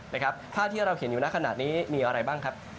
ภาพที่เราเห็นอยู่ในขณะนี้มีอะไรบ้างครับ